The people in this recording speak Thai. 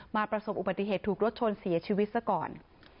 ประสบอุบัติเหตุถูกรถชนเสียชีวิตซะก่อน